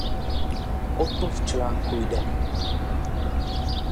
O to v článku jde.